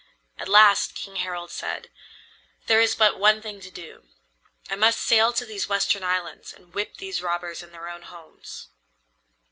At last King Harald said: "There is but one thing to do. I must sail to these western islands and whip these robbers in their own homes."